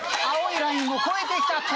青いラインを越えてきた。